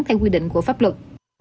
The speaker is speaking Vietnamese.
theo quy định của pháp luật